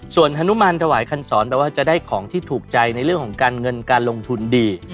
ส่วนฮนุมานถวายคันสอนแปลว่าจะได้ของที่ถูกใจในเรื่องของการเงินการลงทุนดี